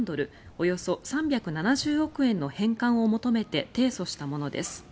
およそ３７０億円の返還を求めて提訴したものです。